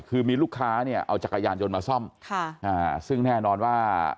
คือมีลูกค้าเนี่ยเอาจักรยานยนต์มาซ่อมค่ะอ่าซึ่งแน่นอนว่า